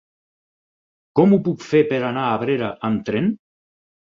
Com ho puc fer per anar a Abrera amb tren?